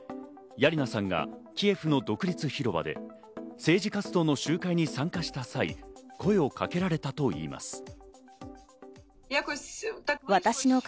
ヤリナさんがキエフの独立広場で政治活動の集会に参加した際、声をかけられたといいます。